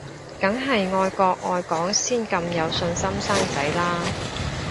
梗係愛國愛港先咁有信心生仔啦